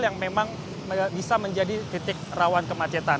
yang memang bisa menjadi titik rawan kemacetan